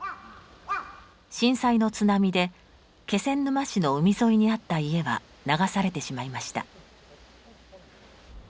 震災の津波で気仙沼市の海沿いにあった家は流されてしまいました。